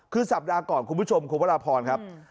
คือสัปดาห์ก่อนคุณผู้ชมคุณพระราพรครับ